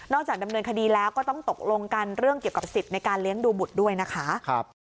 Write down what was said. จากดำเนินคดีแล้วก็ต้องตกลงกันเรื่องเกี่ยวกับสิทธิ์ในการเลี้ยงดูบุตรด้วยนะคะ